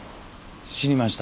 死にました。